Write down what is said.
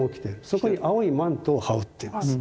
そこに青いマントを羽織っています。